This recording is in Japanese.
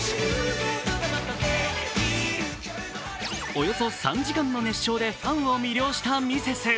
およそ３時間の熱唱でファンを魅了したミセス。